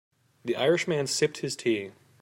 The Irish man sipped his tea.